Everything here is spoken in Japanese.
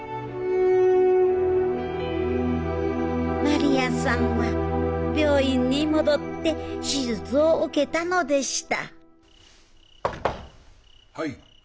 真理亜さんは病院に戻って手術を受けたのでした・はい。